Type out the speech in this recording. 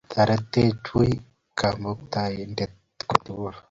Taretech wei kamutaindet kotugul